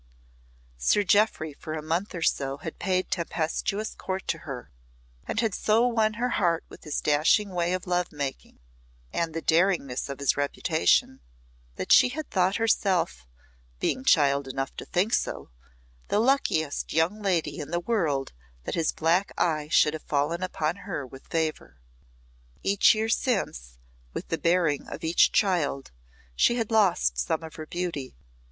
Sir Jeoffry for a month or so had paid tempestuous court to her, and had so won her heart with his dashing way of love making and the daringness of his reputation, that she had thought herself being child enough to think so the luckiest young lady in the world that his black eye should have fallen upon her with favour. Each year since, with the bearing of each child, she had lost some of her beauty.